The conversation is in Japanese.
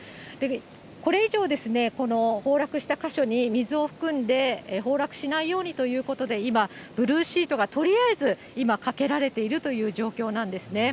これ以上ですね、この崩落した箇所に水を含んで崩落しないようにということで、今、ブルーシートがとりあえず今、かけられているという状況なんですね。